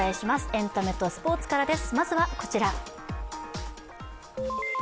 エンタメとスポーツからです。